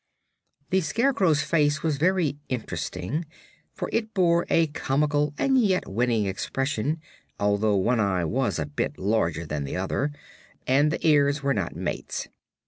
The Scarecrow's face was very interesting, for it bore a comical and yet winning expression, although one eye was a bit larger than the other and ears were not mates.